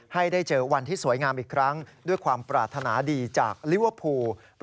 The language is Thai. ให้ได้เจอวันที่สวยงามอีกครั้งด้วยความปรารถนาดีจากลิเวอร์พูล